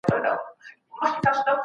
د خدای استازيتوب ستر وياړ دی.